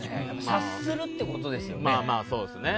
察するってことですよね。